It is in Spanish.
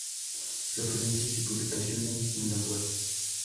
Referencias y publicaciones en la Web